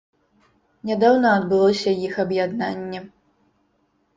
Нядаўна адбылося іх аб'яднанне.